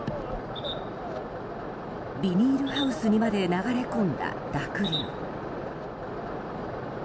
ビニールハウスにまで流れ込んだ濁流。